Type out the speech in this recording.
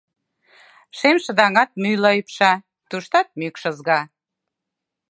Шемшыдаҥат мӱйла ӱпша, туштат мӱкш ызга.